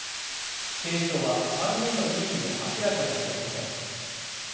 警視庁は３人の認否を明らかにしていません。